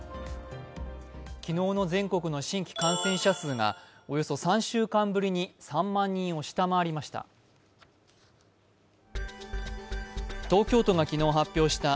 昨日の全国の新規感染者数がおよそ３週間ぶりに３万人を下回りました。